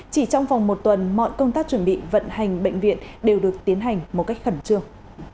chỉ trong vòng một tuần mọi công tác chuẩn bị vận hành bệnh viện đều được tiến hành một cách khẩn trương